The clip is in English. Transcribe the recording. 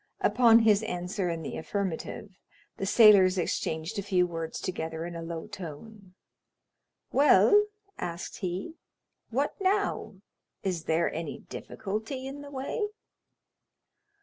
Upon his answer in the affirmative, the sailors exchanged a few words together in a low tone. "Well," asked he, "what now? Is there any difficulty in the way?"